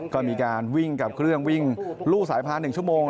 ก็มีการวิ่งกับเครื่องวิ่งลู่สายพา๑ชั่วโมง